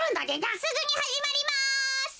すぐにはじまります。